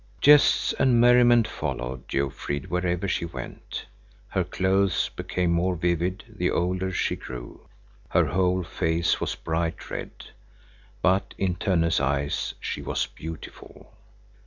Jests and merriment followed Jofrid wherever she went. Her clothes became more vivid the older she grew. Her whole face was bright red. But in Tönne's eyes she was beautiful.